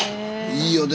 いいよね。